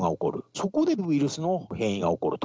そこでウイルスの変異が起こると。